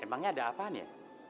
emangnya ada apaan ya